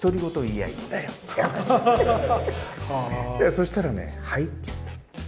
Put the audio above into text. そしたらね「はい！」って言ったの。